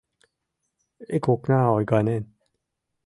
Ик окна ойганен.